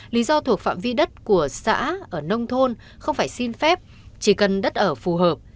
lý do thuộc phạm vi đất của xã ở nông thôn không phải xin phép chỉ cần đất ở phù hợp